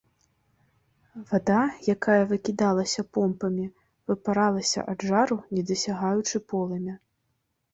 Вада, якая выкідалася помпамі, выпаралася ад жару, не дасягаючы полымя.